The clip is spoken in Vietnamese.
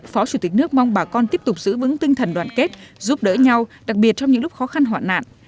phó chủ tịch nước mong bà con tiếp tục giữ vững tinh thần đoàn kết giúp đỡ nhau đặc biệt trong những lúc khó khăn hoạn nạn